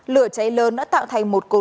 lửa cháy lớn đã tạo thành một cột khóa